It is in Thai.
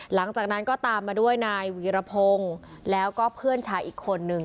หลังจากนั้นก็ตามมาด้วยนายวีรพงศ์แล้วก็เพื่อนชายอีกคนนึง